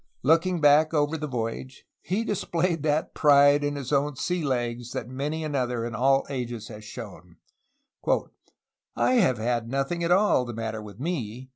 Looking back over the voyage he displayed that pride in his own sea legs that many another in all ages has shown : "I have had nothing at all the matter with me.